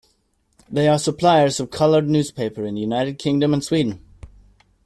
They are suppliers of colored newspaper in the United Kingdom and Sweden.